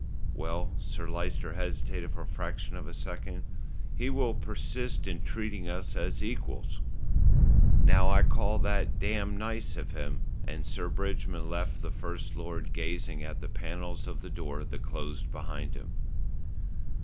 "Well," Sir Lyster hesitated for the fraction of a second, "he will persist in treating us as equals." "Now I call that damned nice of him;" and Sir Bridgman left the First Lord gazing at the panels of the door that closed behind him.